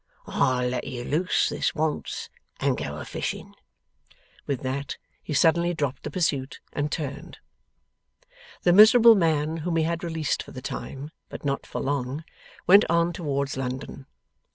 I'll let you loose this once, and go a fishing!' With that, he suddenly dropped the pursuit and turned. The miserable man whom he had released for the time, but not for long, went on towards London.